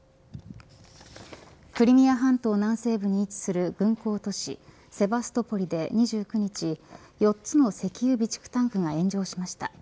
クリミア半島南西部に位置する軍港都市セバストポリで２９日、４つの石油備蓄タンクが炎上しました。